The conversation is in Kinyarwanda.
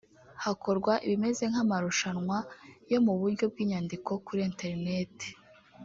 hakorwa ibimeze nk’amarushanwa yo mu buryo bw’inyandiko kuri interineti